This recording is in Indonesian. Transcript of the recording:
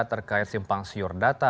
terkait simpang siur data